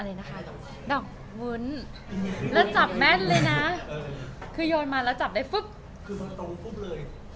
อะไรนะคะดอกมุ้นแล้วจับแม่นเลยน่ะคือโยนมาแล้วจับได้คือมันตรงปุ๊บเลย